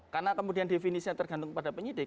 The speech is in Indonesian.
karena kemudian definisinya tergantung pada penyidik